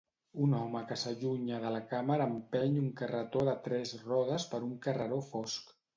Un home que s'allunya de la càmera empeny un carretó de tres rodes per un carreró fosc.